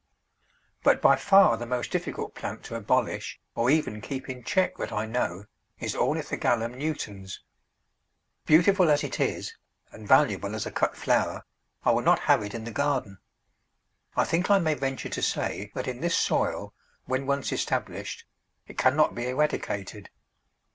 But by far the most difficult plant to abolish or even keep in check that I know is Ornithogalum nutans. Beautiful as it is, and valuable as a cut flower, I will not have it in the garden. I think I may venture to say that in this soil, when once established, it cannot be eradicated.